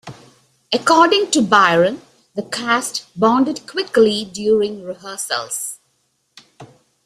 According to Byrne, the cast bonded quickly during rehearsals.